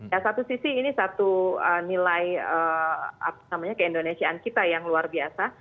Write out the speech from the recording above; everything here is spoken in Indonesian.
ya satu sisi ini satu nilai keindonesiaan kita yang luar biasa